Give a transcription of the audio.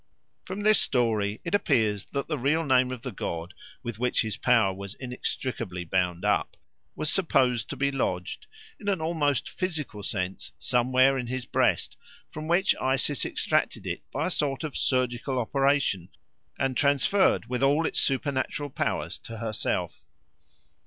From this story it appears that the real name of the god, with which his power was inextricably bound up, was supposed to be lodged, in an almost physical sense, somewhere in his breast, from which Isis extracted it by a sort of surgical operation and transferred it with all its supernatural powers to herself.